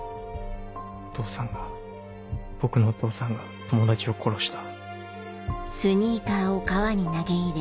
お父さんが僕のお父さんが友達を殺した。